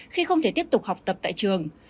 khi không thể tiếp tục học tập tại trường